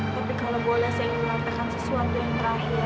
tapi kalau boleh saya ingin mengatakan sesuatu yang terakhir